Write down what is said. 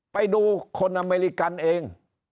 ไปดูคนอเมริกันเอง